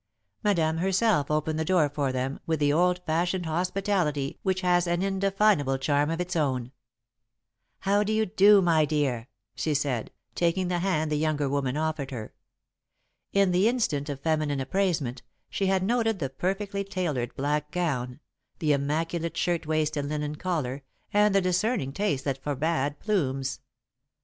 Madame herself opened the door for them, with the old fashioned hospitality which has an indefinable charm of its own. "How do you do, my dear," she said, taking the hand the younger woman offered her. In the instant of feminine appraisement, she had noted the perfectly tailored black gown, the immaculate shirtwaist and linen collar, and the discerning taste that forbade plumes.